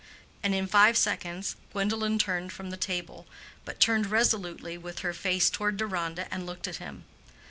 And in five seconds Gwendolen turned from the table, but turned resolutely with her face toward Deronda and looked at him.